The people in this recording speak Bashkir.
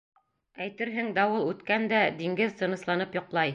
Әйтерһең, дауыл үткән дә, диңгеҙ тынысланып йоҡлай.